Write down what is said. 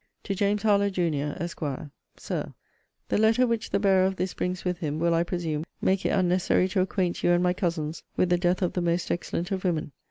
TO JAMES HARLOWE, JUN. ESQ. SIR, The letter which the bearer of this brings with him, will, I presume, make it unnecessary to acquaint you and my cousins with the death of the most excellent of women.